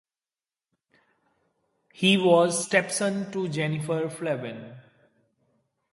He was stepson to Jennifer Flavin.